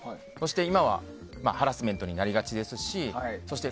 今はハラスメントになりがちですしそして